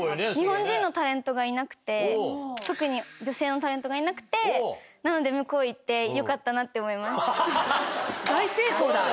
日本人のタレントがいなくて、特に女性のタレントがいなくて、なので、向こう行って、よかった大成功だ。